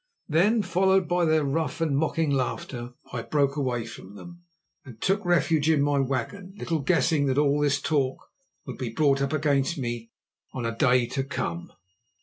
Then, followed by their rough and mocking laughter, I broke away from them, and took refuge in my wagon, little guessing that all this talk would be brought up against me on a day to come.